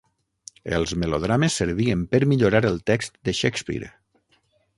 Els melodrames servien per millorar el text de Shakespeare.